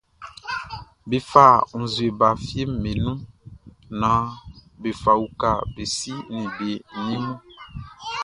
Be fa nzue ba fieʼm be nun naan be fa uka be si ni be ni mun.